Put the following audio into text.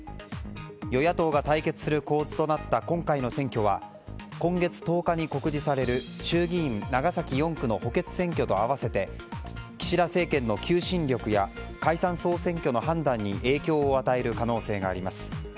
与野党が対決する構図となった今回の選挙は今月１０日に告示される衆議院長崎４区の補欠選挙と合わせて岸田政権の求心力や解散・総選挙の判断に影響を与える可能性があります。